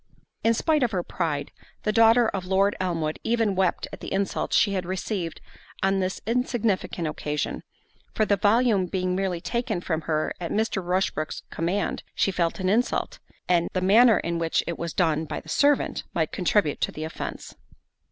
In spite of her pride, the daughter of Lord Elmwood even wept at the insult she had received on this insignificant occasion; for the volume being merely taken from her at Mr. Rushbrook's command, she felt an insult; and the manner in which it was done by the servant, might contribute to the offence.